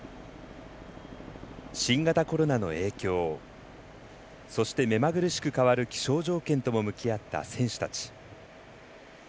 新型コロナの影響、そして目まぐるしく変わる気象条件とも向き合った選手たち。